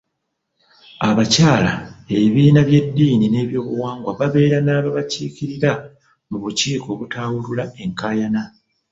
Abakyala, ebibiina by’eddini n’ebyobuwangwa babeere n’ababakiikirira mu bukiiko obutawulula enkaayana.